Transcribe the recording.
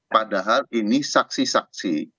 padahal ini saksi saksi